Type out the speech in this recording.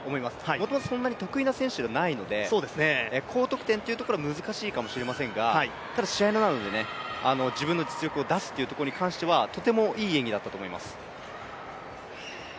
もともとそんなに得意な選手ではないので、高得点は難しいかもしれませんがただ試合などで自分の実力を出すということに関してはとてもいい演技だったと思います。